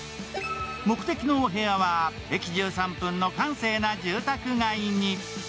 目的のお部屋は駅１３分の閑静な住宅街に。